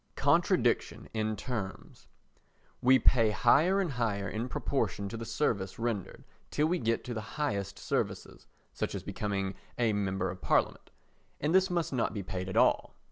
Contradiction in Terms We pay higher and higher in proportion to the service rendered till we get to the highest services, such as becoming a Member of Parliament, and this must not be paid at all.